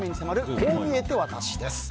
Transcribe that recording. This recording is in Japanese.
こう見えてワタシです。